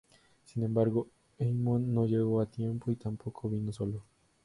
Sin embargo, Amon no llegó a tiempo, y tampoco vino solo.